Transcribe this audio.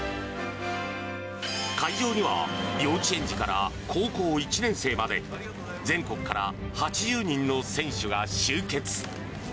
会場には幼稚園児から高校１年生まで、全国から８０人の選手が集結。